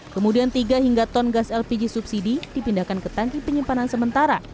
kemudian tiga hingga ton gas lpg subsidi dipindahkan ke tangki penyimpanan sementara